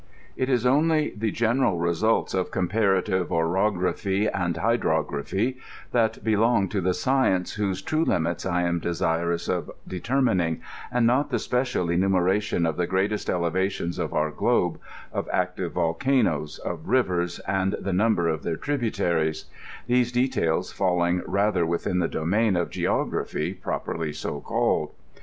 It is only the general results of comparative orography and hydrography that belong to the science whose true limits I am desirous of determining, and not the special enumeration of the greatest elevations of our globe, of active volcanoes, of rivers, and the number of their tributaries, these details falling rather within the domain of geography, properly so called.